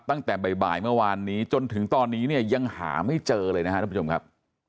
ตั้งแต่บ่ายเมื่อวานนี้จนถึงตอนนี้เนี่ยยังหาไม่เจอเลยนะครับทุกผู้ชมครับ